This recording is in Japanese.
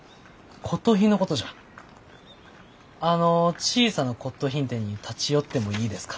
「あの小さな骨とう品店に立ち寄ってもいいですか？」。